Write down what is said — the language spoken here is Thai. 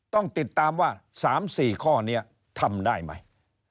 ต้องติดตามว่า๓๔ข้อนี้ทำได้ไหม